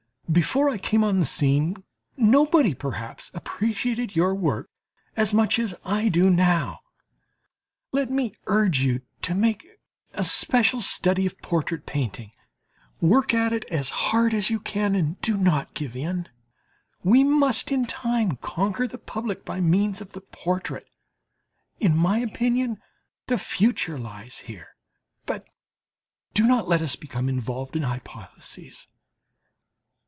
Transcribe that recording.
Before I came on the scene nobody, perhaps, appreciated your work as much as I do now. Let me urge you to make a special study of portrait painting; work at it as hard as you can and do not give in; we must in time conquer the public by means of the portrait in my opinion the future lies there. But do not let us become involved in hypotheses.